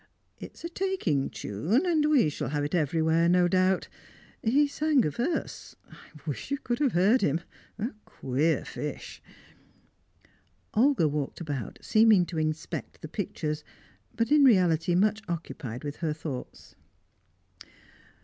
It's a taking tune, and we shall have it everywhere, no doubt. He sang a verse I wish you could have heard him. A queer fish!" Olga walked about, seeming to inspect the pictures, but in reality much occupied with her thoughts.